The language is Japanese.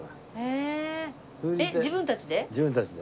えっ自分たちで？